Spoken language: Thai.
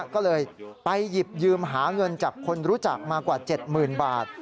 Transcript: ก็เลยไปหยิบยืมหาเงินจากคนรู้จักมากว่า๗๐๐๐บาท